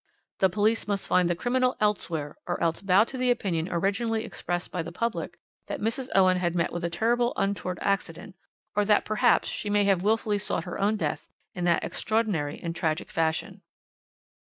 The police must find the criminal elsewhere, or else bow to the opinion originally expressed by the public that Mrs. Owen had met with a terrible untoward accident, or that perhaps she may have wilfully sought her own death in that extraordinary and tragic fashion.